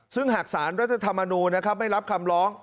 ซึ่งหากสารรัฐธรรมนูลไม่รับคำร้อง